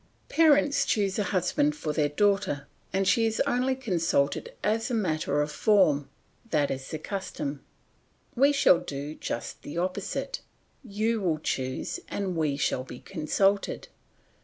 Parents choose a husband for their daughter and she is only consulted as a matter of form; that is the custom. We shall do just the opposite; you will choose, and we shall be consulted.